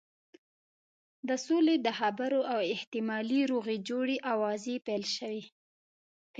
د سولې د خبرو او احتمالي روغې جوړې آوازې پیل شوې.